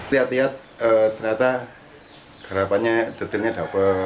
lihat lihat ternyata terlapaknya detailnya daftar